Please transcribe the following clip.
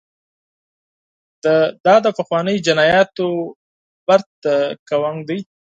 دا د پخوانیو جنایاتو تکرار دی.